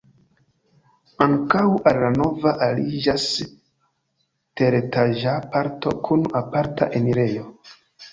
Ankaŭ al la navo aliĝas teretaĝa parto kun aparta enirejo.